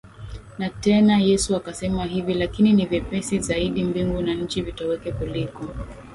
Na tena Yesu akasema hivi Lakini ni vyepesi zaidi mbingu na nchi vitoweke kuliko